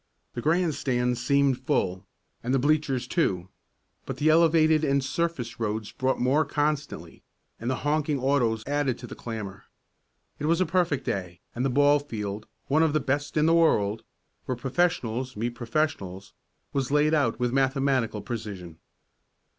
The grandstands seemed full, and the bleachers too, but the elevated and surface roads brought more constantly, and the honking autos added to the clamor. It was a perfect day, and the ball field one of the best in the world where professionals meet professionals was laid out with mathematical precision.